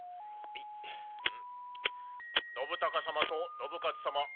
「信孝様と信雄様